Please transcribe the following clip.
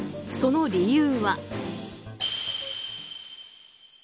その理由は？